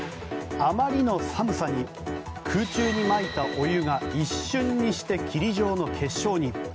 あまりの寒さに空中にまいたお湯が一瞬にして霧状の結晶に。